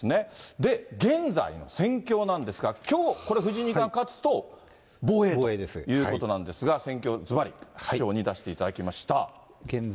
で、現在の戦況なんですが、きょう、これ藤井二冠勝つと防衛ということなんですが、戦況、ずばり、師匠に出していただきました。